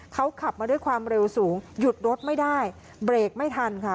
เขาขับมาด้วยความเร็วสูงหยุดรถไม่ได้เบรกไม่ทันค่ะ